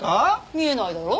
見えないだろ。